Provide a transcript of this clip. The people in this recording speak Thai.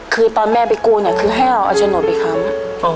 คือตอนแม่ไปกู้เนี่ยคือให้เราเอาโฉนดไปค้ำ